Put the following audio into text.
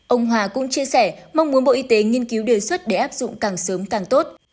ông hòa cũng chia sẻ mong muốn bộ y tế nghiên cứu đề xuất để áp dụng càng sớm càng tốt